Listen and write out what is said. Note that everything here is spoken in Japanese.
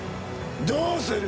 どうする？